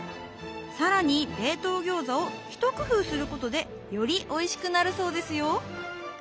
更に冷凍餃子を一工夫することでよりおいしくなるそうですよ。